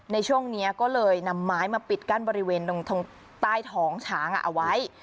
ในช่วงนี้ก็เลยนำไม้มาปิดกั้นบริเวณตรงใต้ท้องช้างเอาไว้